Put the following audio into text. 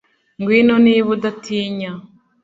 Ngwino niba udatinya